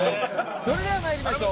それでは参りましょう。